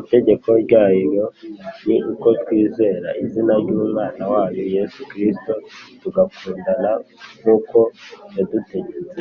Itegeko ryayo ni uko twizera izina ry’Umwana wayo Yesu Kristo, tugakundana nk’uko yadutegetse.